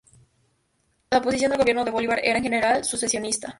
La oposición al gobierno de Bolívar era, en general, secesionista.